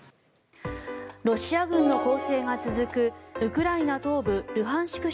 ロシア軍の攻勢が続くウクライナ東部ルハンシク